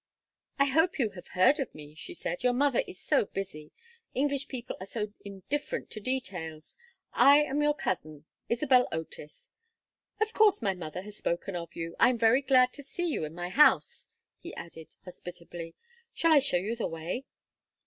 "I hope you have heard of me," she said. "Your mother is so busy English people are so indifferent to details I am your cousin, Isabel Otis " "Of course my mother has spoken of you. I am very glad to see you in my house," he added, hospitably. "Shall I show you the way?"